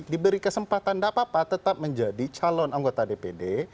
diberi kesempatan dapat pak tetap menjadi calon anggota dpd